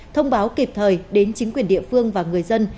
thông báo kịp thời đến chính quyền địa phương và người dân